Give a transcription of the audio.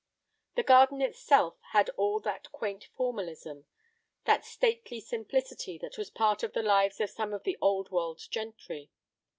The garden itself had all that quaint formalism, that stately simplicity that was part of the lives of some of the Old World gentry.